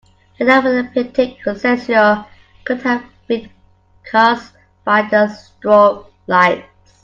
The epileptic seizure could have been cause by the strobe lights.